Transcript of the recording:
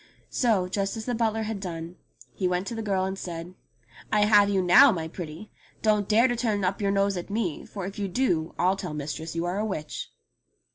So, just as the butler had done, he went to the girl and said, "I have you now, my pretty. Don't dare to turn up your nose at me, for if you do I'll tell mistress you are a witch."